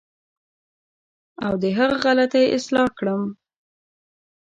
او د هغه غلطۍ اصلاح کړم.